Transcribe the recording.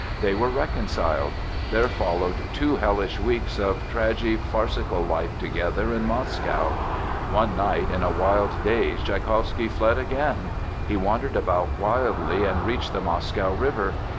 They were reconciled. There followed two hellish weeks of tragi farcical life together in Moscow. One night, in a wild daze, Tschaikowsky fled again. He wandered about wildly and reached the Moscow River.